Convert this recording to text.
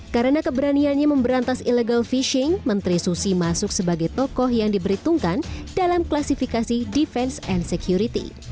karena keberaniannya memberantas illegal fishing menteri susi masuk sebagai tokoh yang diberitungkan dalam klasifikasi defense and security